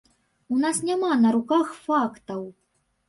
У нас няма на руках фактаў.